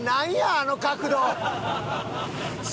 あの角度！